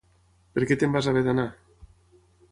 Per què te'n vas haver d'anar?